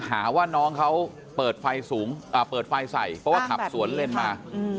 หาว่าน้องเขาเปิดไฟสูงเปิดไฟใส่เพราะว่าขับสวนเลนมา